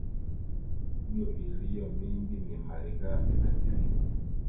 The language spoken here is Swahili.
Mizigo iliyo mingi ni malighafi za kilimo